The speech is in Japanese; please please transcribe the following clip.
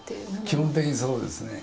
基本的にそうですね。